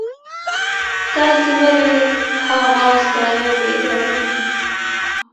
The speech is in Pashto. تاسي ولي دغه سړی بېداوئ؟